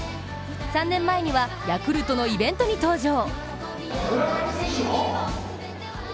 ３年前にはヤクルトのイベントに登場。